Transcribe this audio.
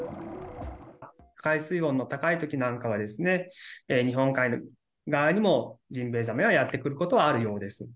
海水温の高いときなんかは、日本海側にもジンベエザメはやって来ることはあるようです。